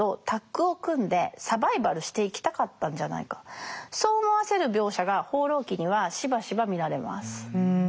男とではなくそう思わせる描写が「放浪記」にはしばしば見られます。